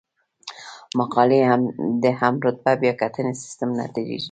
مقالې د هم رتبه بیاکتنې سیستم نه تیریږي.